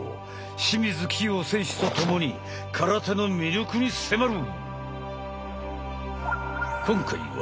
清水希容選手とともに空手の魅力に迫る。